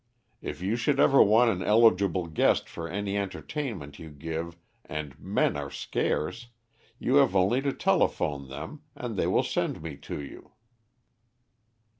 If you should ever want an eligible guest for any entertainment you give, and men are scarce, you have only to telephone them, and they will send me to you."